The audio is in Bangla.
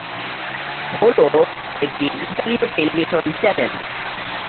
হলো একটি ইতালিয় টেলিভিশন চ্যানেল।